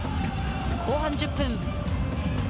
後半１０分。